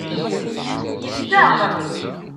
Yeffeɣ.